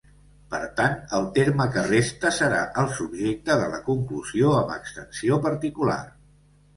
Per tant, el terme que resta serà el subjecte de la conclusió amb extensió particular.